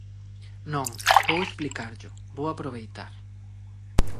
Non, vou explicarllo, vou aproveitar.